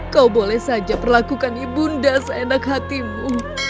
kau boleh saja perlakukan ibu unda seenak hatimu